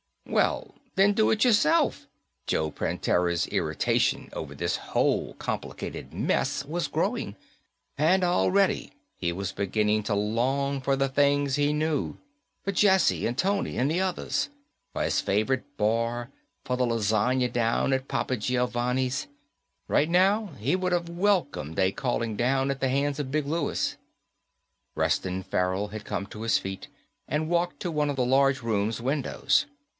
"Well, then do it yourself." Joe Prantera's irritation over this whole complicated mess was growing. And already he was beginning to long for the things he knew for Jessie and Tony and the others, for his favorite bar, for the lasagne down at Papa Giovanni's. Right now he could have welcomed a calling down at the hands of Big Louis. Reston Farrell had come to his feet and walked to one of the large room's windows.